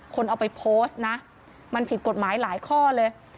คนเอาไปโพสต์นะมันผิดกฎหมายหลายข้อเลย